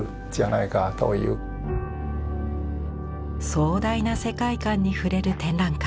壮大な世界観に触れる展覧会。